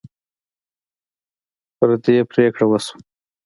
په دې پریکړه وشوه.